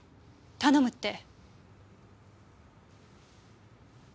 頼むって？